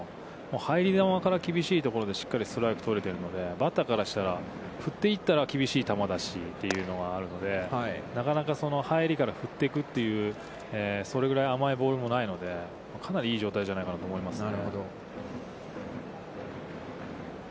入り球から厳しいところでしっかりストライク取れてるので、バッターからしたら、振っていったら厳しい球だしというのがあるので、なかなか入りから振っていくというそれぐらい甘いボールもないので、かなりいい状態じゃないかと思いますね。